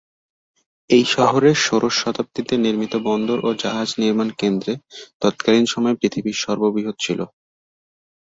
এই শহরে ষোড়শ শতাব্দীতে নির্মিত বন্দর ও জাহাজ নির্মাণ কেন্দ্র তৎকালীন সময়ে পৃথিবীর সর্ববৃহৎ ছিল।